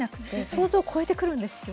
想像を超えてくるんですよ。